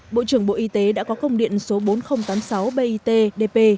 bộ trưởng bộ y tế đã có công điện số bốn nghìn tám mươi sáu bitdp